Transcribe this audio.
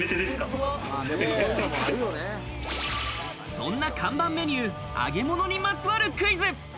そんな看板メニュー、揚げ物にまつわるクイズ。